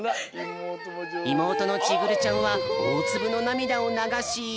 いもうとのちぐるちゃんはおおつぶのなみだをながし。